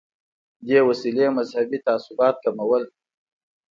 دې وسیلې مذهبي تعصبات کمول.